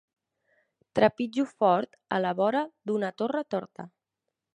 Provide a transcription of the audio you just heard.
Trepitjo fort a la vora d'una torre torta.